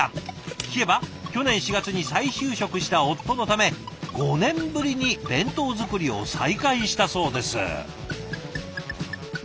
聞けば去年４月に再就職した夫のため５年ぶりに弁当作りを再開したそうです。